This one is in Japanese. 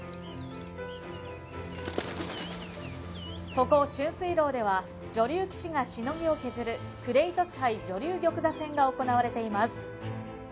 ここ春水楼では女流棋士がしのぎを削るクレイトス杯女流玉座戦が行われています。